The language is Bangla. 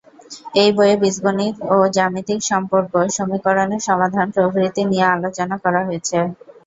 এই বইয়ে বীজগণিত ও জ্যামিতির সম্পর্ক, সমীকরণের সমাধান প্রভৃতি নিয়ে আলোচনা করা হয়েছে।